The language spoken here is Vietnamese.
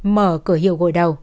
mở cửa hiệu gội đầu